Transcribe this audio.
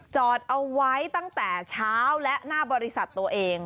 จอดเอาไว้ตั้งแต่เช้าและหน้าบริษัทตัวเอง